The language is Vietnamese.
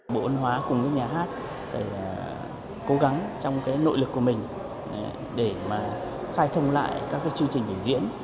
bộ văn hóa cùng với nhà hát cố gắng trong nội lực của mình để mà khai thông lại các chương trình biểu diễn